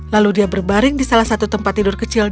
lalu dia berbaring di salah satu tempat tidur kecil